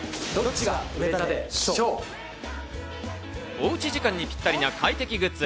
おうち時間にぴったりな快適グッズ。